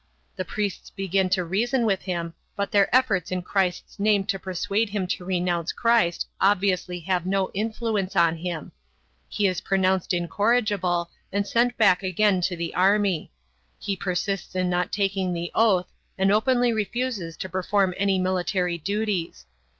The priests begin to reason with him, but their efforts in Christ's name to persuade him to renounce Christ obviously have no influence on him; he is pronounced incorrigible and sent back again to the army. He persists in not taking the oath and openly refuses to perform any military duties.